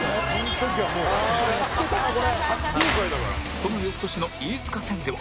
その翌年の飯塚戦では